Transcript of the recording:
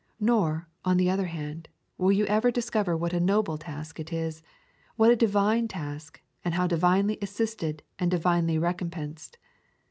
Nor, on the other hand, will you ever discover what a noble task it is what a divine task and how divinely assisted and divinely recompensed.